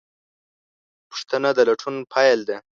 پوښتنه د لټون پیل ده.